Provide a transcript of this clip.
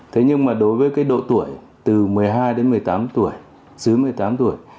thế nhưng mà đối với cái độ tuổi từ một mươi hai đến một mươi tám tuổi dưới một mươi tám tuổi